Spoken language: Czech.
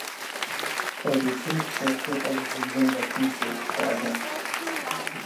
Pro většinu Čech je pak zřízen Vrchní soud v Praze.